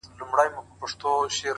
باندي جوړ د موږکانو بیر و بار وو.